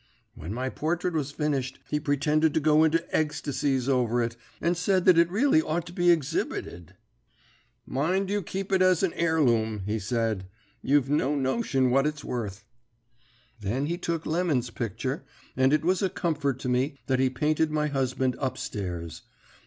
"When my portrait was finished he pretended to go into egstacies over it, and said that it really ought to be egshibited. "'Mind you keep it as a airloom,' he said. 'You've no notion what it's worth.' "Then he took Lemon's picture, and it was a comfort to me that he painted my husband up stairs.